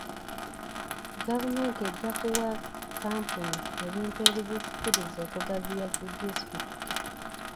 Gavumenti ejja kuwa Kkampuni ebintu ebizisikiriza okugaziya zi disitulikiti.